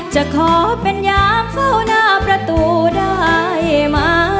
จะขอเป็นยามเฝ้าหน้าประตูได้มา